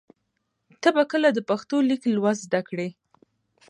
ته به کله د پښتو لیک لوست زده کړې؟